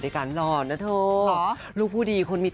เพราะว่าโมมมันจะไม่ค่อยอะไรอย่างนั้น